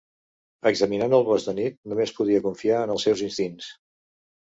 Examinant el bosc de nit, només podia confiar en els seus instints.